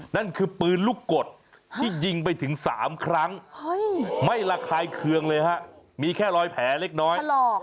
นั่นคือปืนลูกกดที่ยิงไปถึง๓ครั้งไม่ระคายเคืองเลยฮะมีแค่รอยแผลเล็กน้อย